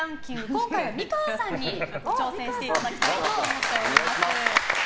今回は美川さんに挑戦していただきたいと思います。